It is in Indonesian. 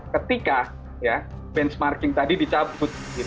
ketika benchmarking tadi dicabut